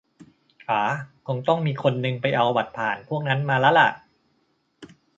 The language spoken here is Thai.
อ๋า คงต้องมีคนหนึ่งไปเอาบัตรผ่านพวกนั้นมาละล่ะ